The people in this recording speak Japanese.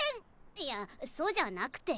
いやそうじゃなくて。